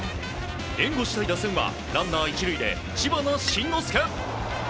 援護したい打線はランナー１塁で知花慎之助。